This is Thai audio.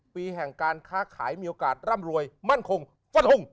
ปีแห่งการค้าขายมีโอกาสร่ำรวยมั่นคงฟันทง